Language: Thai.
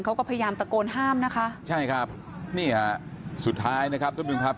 เขาก็พยายามตะโกนห้ามนะคะใช่ครับนี่ค่ะสุดท้ายนะครับ